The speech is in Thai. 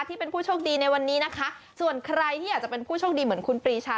ที่เป็นผู้โชคดีในวันนี้นะคะส่วนใครที่อยากจะเป็นผู้โชคดีเหมือนคุณปรีชา